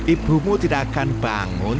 ibumu tidak akan bangun